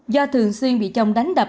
do thường xuyên bị chồng đánh đập